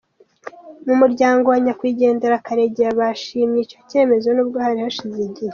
Mu muryango wa nyakwigendera Karegeya bashimye icyo cyemezo nubwo hari hashize igihe.